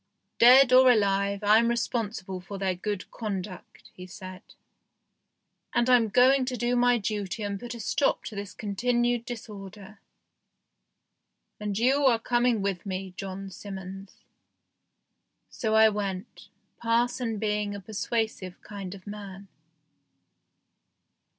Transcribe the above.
"Dead or alive, I'm responsible for their good conduct," he said, "and I'm going to do my duty and put a stop to this continued disorder. And you are coming with me, John Simmons." So I went, parson being a persuasive kind of man.